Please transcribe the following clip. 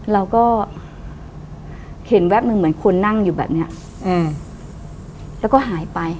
เราก็เห็นแวบหนึ่งเหมือนคนนั่งอยู่แบบเนี้ยอืมแล้วก็หายไป